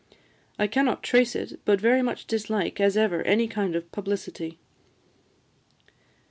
I cannot trace it, but very much dislike as ever any kind of publicity."